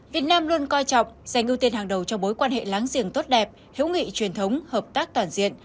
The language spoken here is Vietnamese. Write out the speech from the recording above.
việt nam luôn coi trọng dành ưu tiên hàng đầu cho mối quan hệ láng giềng tốt đẹp hữu nghị truyền thống hợp tác toàn diện